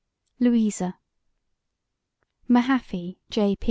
Louisa MAHAFFY, J.